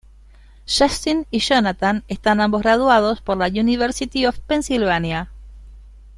Justin y Jonathan están ambos graduados por la University of Pennsylvania.